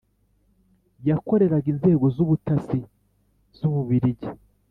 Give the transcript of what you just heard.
yakoreraga inzego z' ubutasi z' u bubiligi,